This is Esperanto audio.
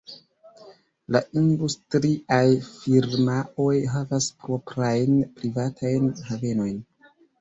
La industriaj firmaoj havas proprajn privatajn havenojn.